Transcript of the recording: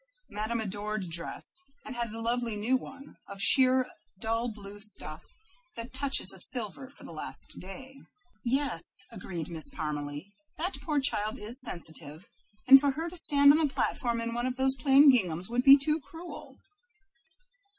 Madame adored dress, and had a lovely new one of sheer dull blue stuff, with touches of silver, for the last day. "Yes," agreed Miss Parmalee, "that poor child is sensitive, and for her to stand on the platform in one of those plain ginghams would be too cruel."